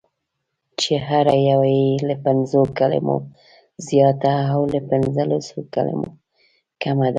چې هره یوه یې له پنځو کلمو زیاته او له پنځلسو کلمو کمه ده: